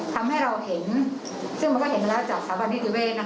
ทำให้เราเห็นซึ่งมันก็เห็นมาแล้วจากสถาบันนิติเวศ